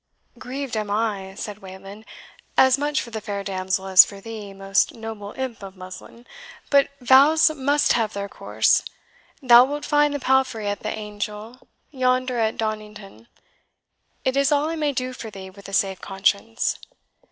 "Grieved am I," said Wayland, "as much for the fair damsel as for thee, most noble imp of muslin. But vows must have their course; thou wilt find the palfrey at the Angel yonder at Donnington. It is all I may do for thee with a safe conscience."